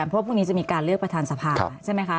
เพราะว่าพรุ่งนี้จะมีการเลือกประธานสภาใช่ไหมคะ